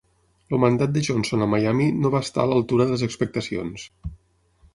El mandat de Johnson a Miami no va estar a l'altura de les expectacions.